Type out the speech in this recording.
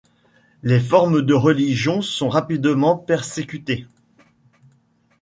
Les formes de religion sont rapidement persécutées.